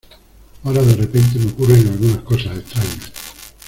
Ahora de repente me ocurren algunas cosas extrañas